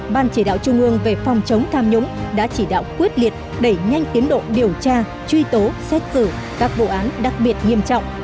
ban chỉ đạo trung ương về phòng chống tham nhũng đã chỉ đạo quyết liệt đẩy nhanh tiến độ điều tra truy tố xét xử các vụ án đặc biệt nghiêm trọng